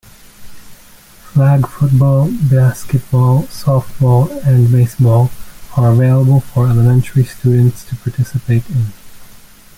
Flag football, basketball, softball, and baseball are available for elementary students to participate in.